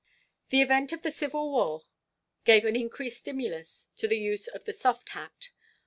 The event of the Civil War gave an increased stimulus to the use of the soft hat.